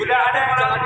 sudah ada yang menanggung